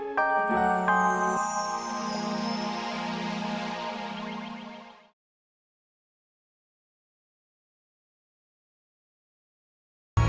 popon tenti baju dulu ya